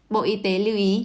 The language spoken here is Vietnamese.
bộ y tế lưu ý